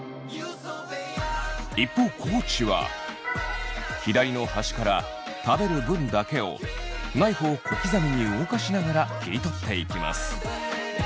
一方地は左の端から食べる分だけをナイフを小刻みに動かしながら切り取っていきます。